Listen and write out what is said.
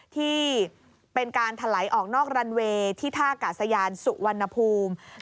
ที่เป็นการถลายออกนอกรันเวย์ที่ท่ากาศยานสุวรรณภูมิ